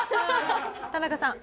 田中さん。